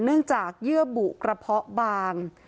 เนื่องจากเยื่อบุกระเพาะบาง